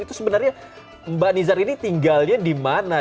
itu sebenarnya mbak nizar ini tinggalnya di mana